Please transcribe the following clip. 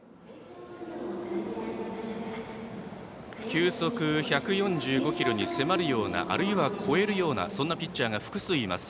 球速１４５キロに迫るようなあるいは超えるようなそんなピッチャーが複数います